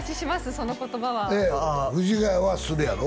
その言葉は藤ヶ谷はするやろ？